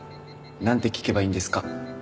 なんて聞けばいいんですか？